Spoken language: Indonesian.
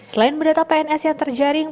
selain mendata pns yang terjaring